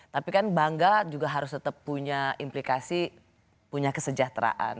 tapi kan bangga juga harus tetap punya implikasi punya kesejahteraan